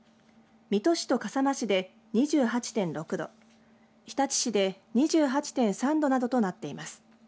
水戸市と笠間市で２８．６度日立市で２８．３度などとなっています。